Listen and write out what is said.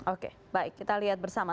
oke baik kita lihat bersama